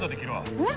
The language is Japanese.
えっ？